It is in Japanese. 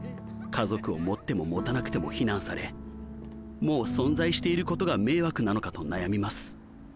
家族を持っても持たなくても非難されもう存在していることが迷惑なのかと悩みます。